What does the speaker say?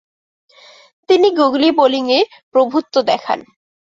তিনি গুগলি বোলিংয়ে প্রভূত্ব দেখান।